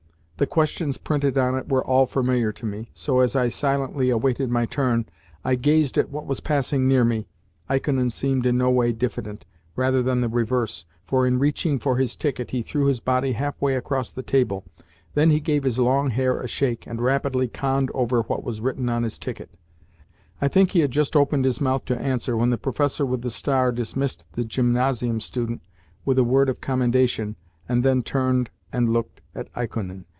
The questions printed on it were all familiar to me, so, as I silently awaited my turn, I gazed at what was passing near me, Ikonin seemed in no way diffident rather the reverse, for, in reaching for his ticket, he threw his body half way across the table. Then he gave his long hair a shake, and rapidly conned over what was written on his ticket. I think he had just opened his mouth to answer when the professor with the star dismissed the gymnasium student with a word of commendation, and then turned and looked at Ikonin.